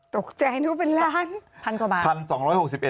ตกใจหนูแปลว่าเป็นล้า